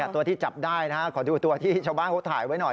ตัวที่จับได้ขอดูตัวที่ชาวบ้านเขาถ่ายไว้หน่อย